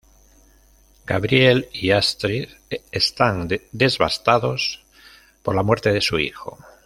Gabriel y Astrid están devastados por la muerte de su hijo.